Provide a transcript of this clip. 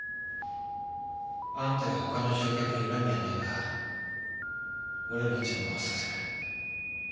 あんたや他の乗客に恨みはないが俺の邪魔はさせない。